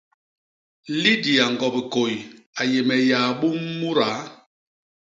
Lydia ñgo Bikôi a yé me yaabum mudaa.